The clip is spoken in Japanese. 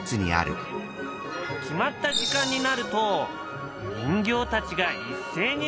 決まった時間になると人形たちが一斉に動き出す。